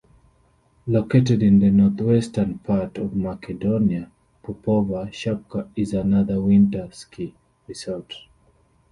Located in the northwestern part of Macedonia, Popova Shapka is another winter ski resort.